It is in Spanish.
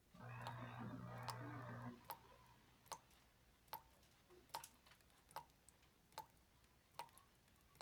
Las divisas iban cosidas sobre fondo negro, en contraposición al fondo blanco de Intendencia.